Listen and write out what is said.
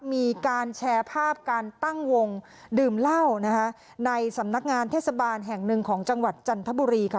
มีการแชร์ภาพการตั้งวงดื่มเหล้านะคะในสำนักงานเทศบาลแห่งหนึ่งของจังหวัดจันทบุรีค่ะ